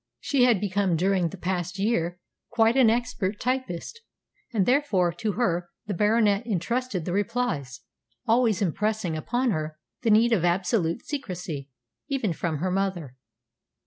She had become during the past year quite an expert typist, and therefore to her the Baronet entrusted the replies, always impressing upon her the need of absolute secrecy, even from her mother.